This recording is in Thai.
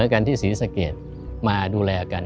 กันที่ศรีสะเกดมาดูแลกัน